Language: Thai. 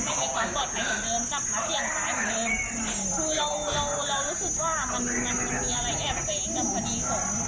ไม่ได้กลาดไว้อยู่จากเดิมกลับมาเจียงตายจากเดิม